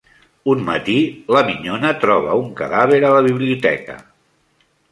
Un matí, la minyona troba un cadàver a la biblioteca.